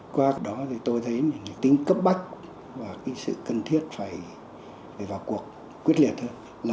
qua đó thì tôi thấy tính cấp bách và sự cần thiết phải vào cuộc quyết liệt hơn